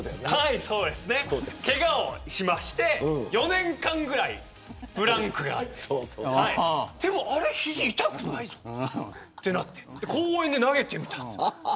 そうですね、けがをしまして４年間ぐらいブランクがあってでも、肘痛くないとなって公園で投げてみたんです。